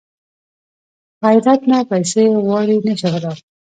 غیرت نه پیسې غواړي نه شهرت